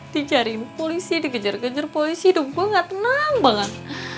dicari polisi dikejar kejar polisi aduh gue gak tenang banget